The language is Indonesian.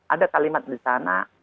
ada kalimat di sana